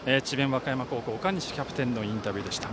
和歌山高校岡西キャプテンのインタビューでした。